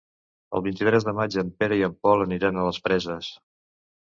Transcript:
El vint-i-tres de maig en Pere i en Pol aniran a les Preses.